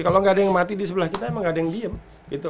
kalau nggak ada yang mati di sebelah kita emang nggak ada yang diem gitu